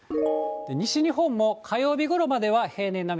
西日本も、火曜日ごろまでは平年並み。